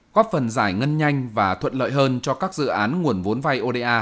góp phần giải ngân nhanh và thuận lợi hơn cho các dự án nguồn vốn vay oda